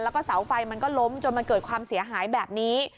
แล้วก็เสาไฟมันก็ล้มจนมันเกิดความเสียหายแบบนี้